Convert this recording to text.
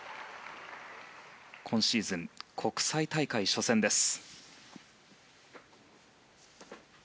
今シーズン国際大会初戦です。